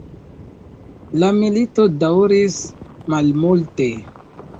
La milito daŭris malmulte.